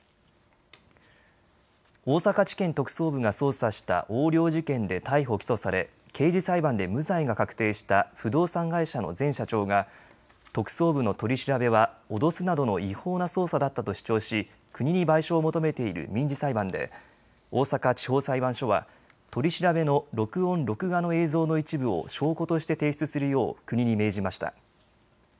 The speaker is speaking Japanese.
大阪地検特捜部が捜査した横領事件で逮捕・起訴され刑事裁判で無罪が確定した不動産会社の前社長が特捜部の取り調べは脅すなどの違法な捜査だったと主張し国に賠償を求めている民事裁判で大阪地方裁判所は取り調べの録音・録画の映像の一部を証拠として提出するよう国に命じました。